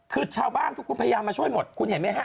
คือชาวบ้านทุกคนพยายามมาช่วยหมดคุณเห็นไหมฮะ